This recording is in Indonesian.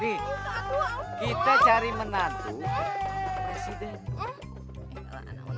nih kita cari menantu anak presiden